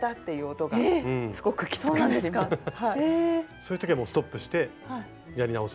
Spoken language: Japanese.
そういう時はもうストップしてやり直す。